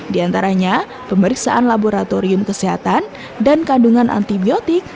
di antaranya pemeriksaan laboratorium kesehatan dan kandungan antibiotik